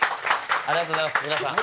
ありがとうございます皆さん。